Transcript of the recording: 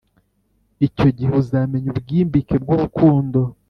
icyo gihe uzamenya ubwimbike bwurukundo